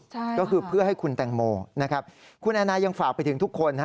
ใช่ก็คือเพื่อให้คุณแตงโมนะครับคุณแอน่ายังฝากไปถึงทุกคน